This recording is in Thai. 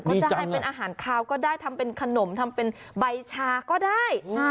ก็ได้เป็นอาหารคาวก็ได้ทำเป็นขนมทำเป็นใบชาก็ได้